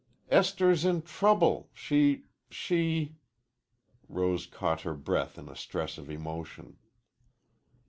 "Esther's in trouble. She she " Rose caught her breath in a stress of emotion.